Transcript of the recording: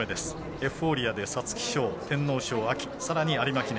エフフォーリアで皐月賞、天皇賞さらに有馬記念。